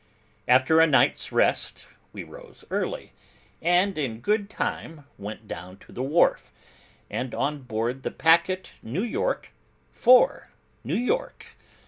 After a night's rest, we rose early, and in good time went down to the wharf, and on board the packet New York for New York.